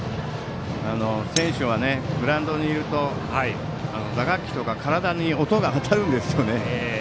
選手はグラウンドにいると打楽器とか、体に音が当たるんですよね。